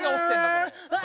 これ。